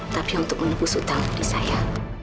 tapi untuk menepus hutang budi saya